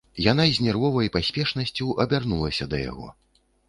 Яна з нервовай паспешнасцю абярнулася да яго.